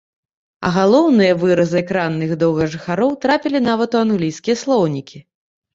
А галоўныя выразы экранных доўгажыхароў трапілі нават у англійскія слоўнікі.